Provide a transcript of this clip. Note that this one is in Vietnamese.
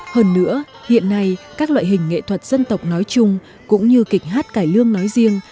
hơn nữa hiện nay các loại hình nghệ thuật dân tộc nói chung cũng như kịch hát cải lương nói riêng